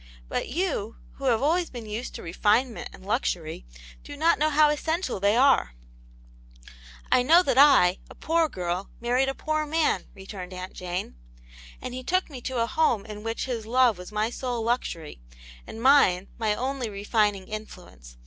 " But you, who have always been used to re finement and luxury, do not know how essential they are." " I know that I, a poor girl, married a poor man," returned Aunt Jane. " And Vve tooV. ycv^ \.^ ^^Vcs^sv^ 32 Aunt Jancs^ Hero. in which his love was my sole luxury, aad mine my only refining^ influence.